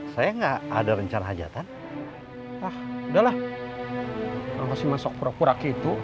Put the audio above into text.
saya nggak ada rencana hajatan ah udahlah masih masuk pura pura gitu